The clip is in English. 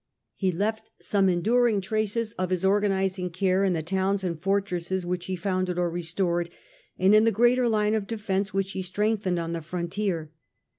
He left some enduring traces of his organiz A.D. 98. towns and fortresses which he founded or restored, and in the great line of defence which he strengthened on the frontier.